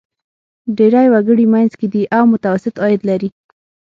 ډېری وګړي منځ کې دي او متوسط عاید لري.